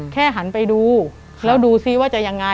หันไปดูแล้วดูซิว่าจะยังไง